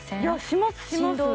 しますします